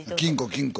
金庫？